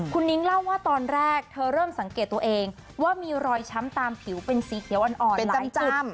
คุณนิ้งเล่าว่าตอนแรกเธอเริ่มสังเกตตัวเองว่ามีรอยช้ำตามผิวเป็นสีเขียวอ่อนจ้ำ